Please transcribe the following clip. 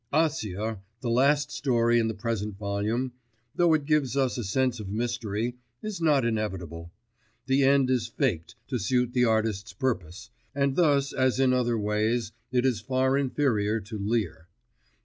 Acia, the last story in the present volume, though it gives us a sense of mystery, is not inevitable: the end is faked to suit the artist's purpose, and thus, as in other ways, it is far inferior to Lear.